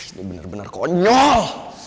itu benar benar konyol